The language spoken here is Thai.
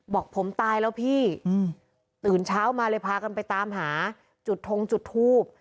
บอกผมตายแล้วพี่ตื่นเช้ามาเลยพากันไปตามหาจุดทงจุดทูบ